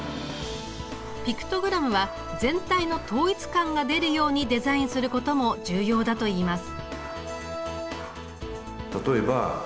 ピクトグラムは全体の統一感が出るようにデザインすることも重要だといいます。